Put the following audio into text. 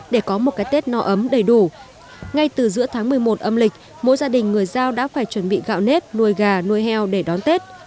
để có một cái tết no ấm đầy đủ ngay từ giữa tháng một mươi một âm lịch mỗi gia đình người giao đã phải chuẩn bị gạo nếp nuôi gà nuôi heo để đón tết